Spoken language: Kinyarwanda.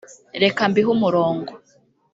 reka mbihe umurongo